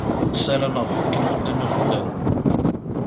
Sarameɣ fukken fell-am iɣeblan.